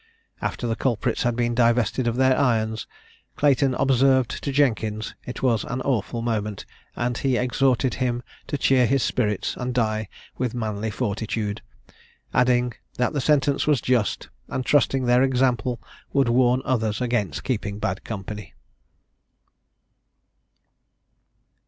After the culprits had been divested of their irons, Clayton observed to Jenkins it was an awful moment, and he exhorted him to cheer his spirits, and die with manly fortitude adding that the sentence was just, and trusting their example would warn others against keeping bad company.